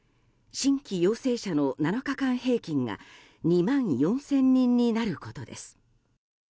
新規陽性者の７日間平均が２万４０００人になることです。